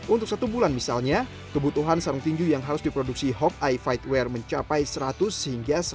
untuk satu bulan misalnya kebutuhan sarung tinju yang harus diproduksi hawkeye fightwear mencapai seratus hingga satu ratus